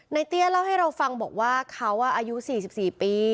เตี้ยเล่าให้เราฟังบอกว่าเขาอายุ๔๔ปี